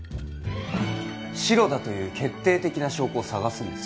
シロだという決定的な証拠を探すんです